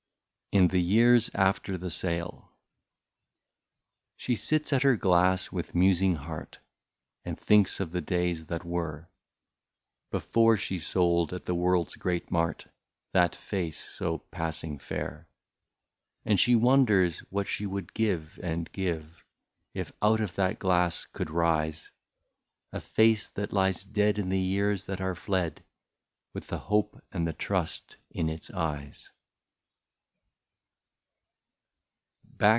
1 84 IN THE YEARS AFTER THE SALE. She sits at her glass with musing heart, And thinks of the days that were, Before she sold at the world's great mart That face so passing fair. And she wonders what she would give and give, If out of that glass could rise, A face that lies dead in the years that are fled. With the hope and the trust in its eyes.